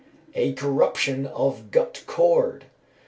_ A corruption of "gut cord."